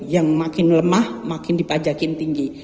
yang makin lemah makin dipajakin tinggi